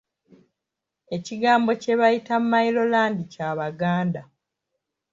Ekigambo kye bayita Mailo land kya Baganda.